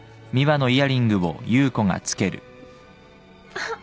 あっ。